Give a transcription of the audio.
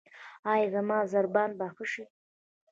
ایا زما ضربان به ښه شي؟